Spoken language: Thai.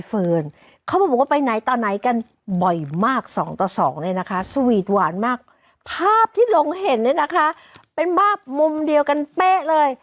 เขาบอกว่าไปไหนต่อไหนกันบ่อยมากสองต่อสองเลยนะคะสวีทหวานมากภาพที่ลงเห็นเนี่ยนะคะเป็นภาพมุมเดียวกันเป๊ะเลย